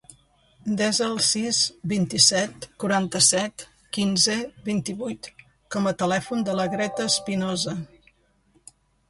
Desa el sis, vint-i-set, quaranta-set, quinze, vint-i-vuit com a telèfon de la Greta Espinoza.